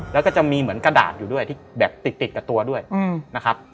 แล้วก็จะมีเหมือนกระดาษอยู่ด้วยที่แบบติดกับตัวด้วยนะครับ